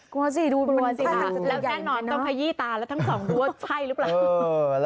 กลัวสิดูสิค่ะแล้วแน่นอนต้องขยี้ตาแล้วทั้งสองดูว่าใช่หรือเปล่า